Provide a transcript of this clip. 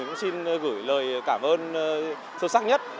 cũng xin gửi lời cảm ơn sâu sắc nhất